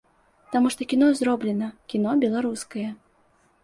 Таму што кіно зроблена, кіно беларускае.